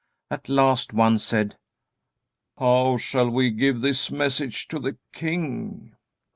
At last one said: "How shall we give this message to the king?"